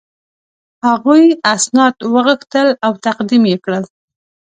هغوی اسناد وغوښتل او تقدیم یې کړل.